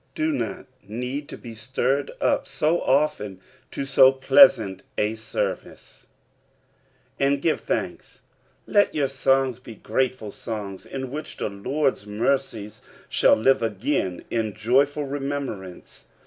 Do not need to be stirred up so often to so pleasant a service. "Arid ffit* thank*." Let your songs M grateful songs, in which the Lord's mercies shall live sgain in joyful remem brance.